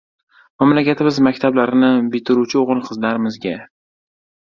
Mamlakatimiz maktablarini bitiruvchi o‘g‘il-qizlarimizga